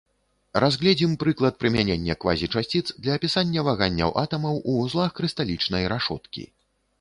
Разгледзім прыклад прымянення квазічасціц для апісання ваганняў атамаў ў вузлах крышталічнай рашоткі.